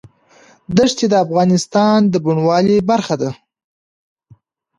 دښتې د افغانستان د بڼوالۍ برخه ده.